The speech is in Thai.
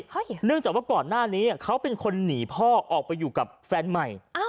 เพราะเนื่องจากว่าก่อนหน้านี้เขาเป็นคนหนีพ่อออกไปอยู่กับแฟนใหม่